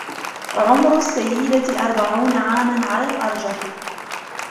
عمر السيدة أربعون عامًا على الأرجح.